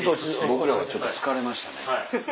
ちょっと疲れましたね。